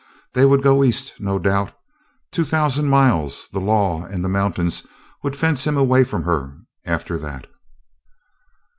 They would go East, no doubt. Two thousand miles, the law and the mountains would fence him away from her after that.